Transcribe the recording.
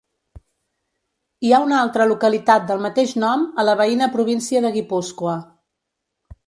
Hi ha una altra localitat del mateix nom a la veïna província de Guipúscoa.